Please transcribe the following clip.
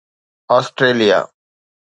Australia